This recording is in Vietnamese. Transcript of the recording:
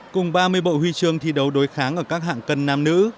cùng ba mươi bộ huy chương thi đấu đối kháng ở các hạng cân nam nữ